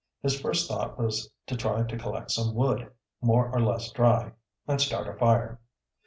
His first thought was to try to collect some wood, more or less dry, and start a fire.